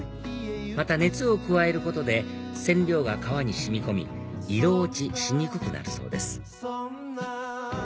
また熱を加えることで染料が革に染み込み色落ちしにくくなるそうです